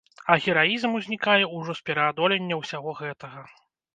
А гераізм узнікае ўжо з пераадолення ўсяго гэтага.